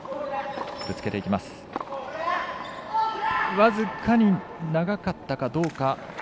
僅かに長かったかどうか。